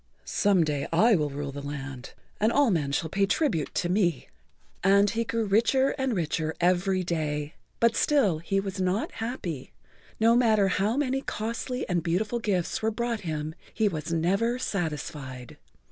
"Some day I will rule the land and all men shall pay tribute to me." And he grew richer and richer every day. But still he was not happy. No matter how many costly and beautiful gifts were brought him, he was never satisfied.